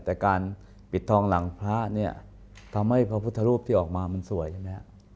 แต่การปิดทองหลังพระเนี่ยทำให้พระพุทธรูปที่ออกมามันสวยใช่ไหมฮะ